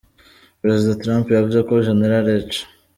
Perezida Trump yavuze ko General H.